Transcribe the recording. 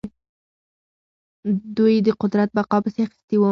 دوی د قدرت بقا پسې اخیستي وو.